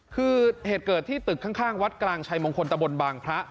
คือเหตุเกิดที่ตึกข้างวัดกลางชัยมงคลตะบนบางพระ